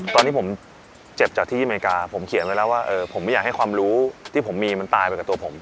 ตอนนี้ผมเจ็บจากที่อเมริกาผมเขียนไว้แล้วว่าผมไม่อยากให้ความรู้ที่ผมมีมันตายไปกับตัวผม